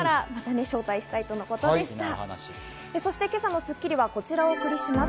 今朝の『スッキリ』はこちらをお送りします。